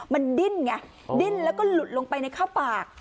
มันดิ้นไงดิ้นแล้วก็หลุดลงไปในข้าวปาก